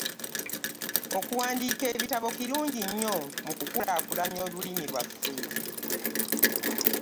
Okuwandiika ebitabo kirungi nnyo mu kukulaakulanya olulimi lwaffe.